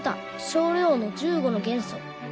少量の１５の元素